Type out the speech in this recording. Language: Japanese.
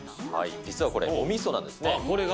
実はこれ、おみそなんですね。